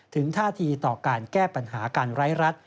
ท่าทีต่อการแก้ปัญหาการไร้รัฐ